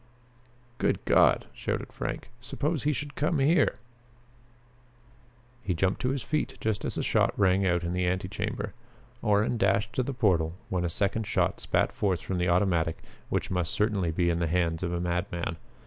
"Good God!" shouted Frank. "Suppose he should come here?" He jumped to his feet just as a shot rang out in the antechamber. Orrin dashed to the portal when a second shot spat forth from the automatic which must certainly be in the hands of a madman.